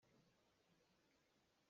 Nihin h zei bantuk nikhua dah a si lai?